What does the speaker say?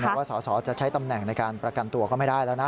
ว่าสอสอจะใช้ตำแหน่งในการประกันตัวก็ไม่ได้แล้วนะ